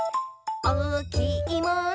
「おおきいもの？